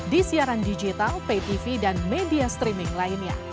di siaran digital pay tv dan media streaming lainnya